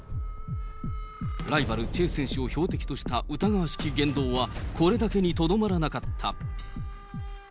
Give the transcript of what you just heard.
ライバル、チェ選手を標的とした疑わしき言動は、これだけにとどまらなかった。